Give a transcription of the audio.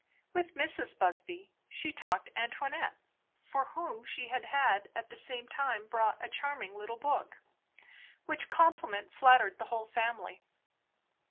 With Mrs. Busby she talked Antoinette, for whom she had at the same time brought a charming little book, which compliment flattered the whole family.